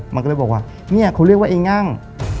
มันก็เลยบอกว่าเนี่ยเขาเรียกว่าไอ้งั่ง